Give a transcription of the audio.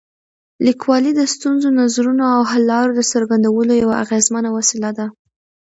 لیکوالی د ستونزو، نظرونو او حل لارو د څرګندولو یوه اغېزمنه وسیله ده.